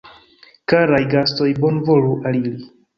Karaj gastoj, bonvolu aliri!